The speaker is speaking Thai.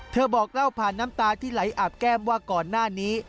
บอกเล่าผ่านน้ำตาที่ไหลอาบแก้มว่าก่อนหน้านี้